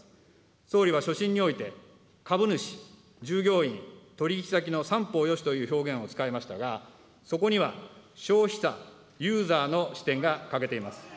総理は所信において、株主、従業員、取り引き先の三方よしという表現を使いましたが、そこには消費者、ユーザーの視点が欠けています。